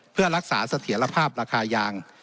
เพื่อรักษาเสถียรภาพราคายาง